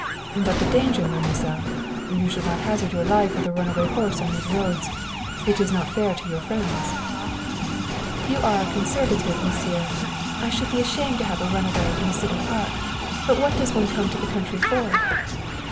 "But the danger, Mademoiselle! You should not hazard your life with a runaway horse on these roads. It is not fair to your friends." "You are a conservative, Monsieur. I should be ashamed to have a runaway in a city park, but what does one come to the country for?"